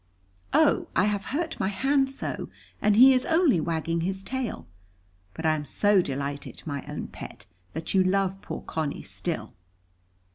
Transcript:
Oh, I have hurt my hand so, and he is only wagging his tail. But I am so delighted, my own pet, that you love poor Conny still."